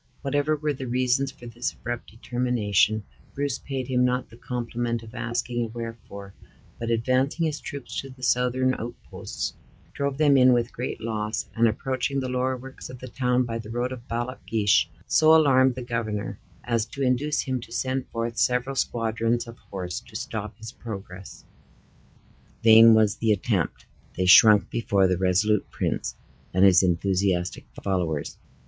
Whatever were the reasons for this abrupt determination, Bruce paid him not the compliment of asking a wherefore, but advancing his troops to the Southron outposts, drove them in with great loss; and, approaching the lower works of the town by the road of Ballochgeich, so alarmed the governor as to induce him to send forth several squadrons of horse to stop his progress. Vain was the attempt. They shrunk before the resolute prince and his enthusiastic followers.